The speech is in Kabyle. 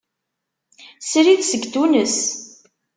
Srid seg Tunes.